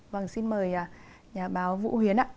vâng xin mời báo vũ huyến ạ